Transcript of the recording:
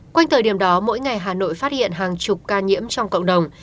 quanh thời điểm đó mỗi ngày hà nội phát hiện hàng chục ca nhiễm trong cộng đồng